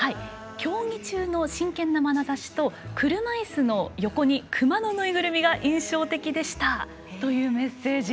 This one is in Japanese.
「競技中の真剣なまなざしと車いすの横にクマのぬいぐるみが印象的でした！」というメッセージ。